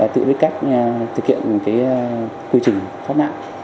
tự biết cách thực hiện quy trình thoát nạn